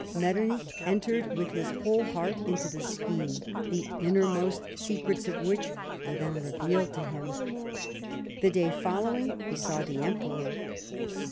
Met ternich entered with his whole heart into the scheme, the innermost secrets of which were then revealed to him. The day following he saw the Emperor.